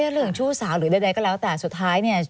เรื่องชู้สาวหรือใดก็แล้วแต่สุดท้ายเนี่ย